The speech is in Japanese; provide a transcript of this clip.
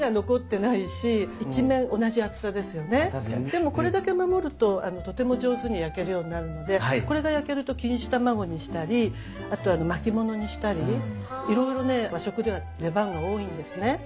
でもこれだけ守るととても上手に焼けるようになるのでこれが焼けると錦糸卵にしたりあとあの巻物にしたりいろいろね和食では出番が多いんですね。